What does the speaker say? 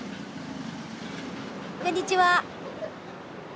こんにちは！